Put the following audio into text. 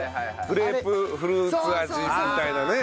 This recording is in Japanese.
グレープフルーツ味みたいなね。